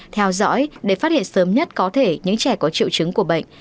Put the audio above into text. theo dõi để phát hiện sớm nhất có thể những trẻ có triệu chứng của bệnh